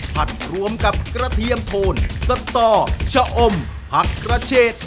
รวมกับกระเทียมโทนสตอชะอมผักกระเชษ